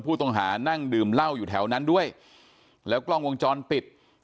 ผู้ต้องหานั่งดื่มเหล้าอยู่แถวนั้นด้วยแล้วกล้องวงจรปิด